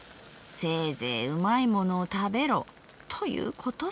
せいぜいうまいものを食べろということさ』。